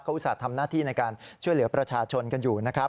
อุตส่าห์ทำหน้าที่ในการช่วยเหลือประชาชนกันอยู่นะครับ